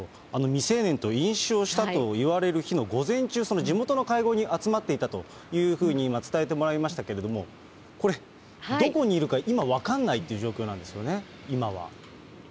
未成年と飲酒をしたといわれる日の午前中、その地元の会合に集まっていたというふうに伝えてもらいましたけれども、これ、どこにいるか、今分かんないという状況なんですよね、今は。